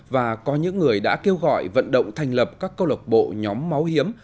và có những người đã kêu gọi vận động thành lập các câu lộc bộ nhóm máu hiếm